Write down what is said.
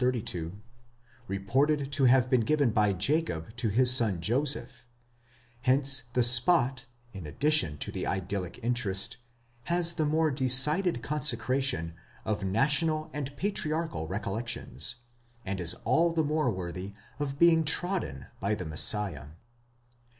32, reported: to have been given by Jacob to his son Joseph; hence the spot, in addition to its idyllic interest, has the more decided consecration of national and patriarchal recollections, and is all the more worthy of being trodden by the Messiah.